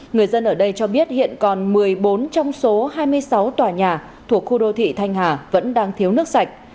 người dân ở đây cho biết hiện còn một mươi bốn trong số hai mươi sáu tòa nhà thuộc khu đô thị thanh hà vẫn đang thiếu nước sạch